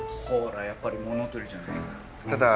ほらやっぱり物取りじゃないか。